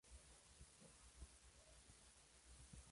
Durante esta etapa publica "La medicina en verso.